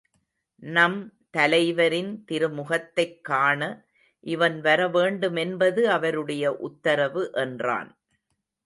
நம் தலைவரின் திருமுகத்தைக் காண இவன் வரவேண்டுமென்பது அவருடைய உத்தரவு என்றான்.